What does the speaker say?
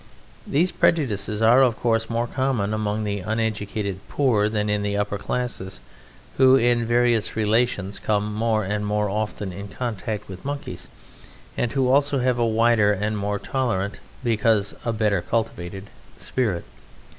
These prejudices are, of course, more common among the uneducated poor than in the upper classes, who in various relations come more often in contact with Monkeys, and who also have a wider and more tolerant, because a better cultivated, spirit.